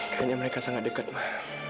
kayaknya mereka sangat dekat lah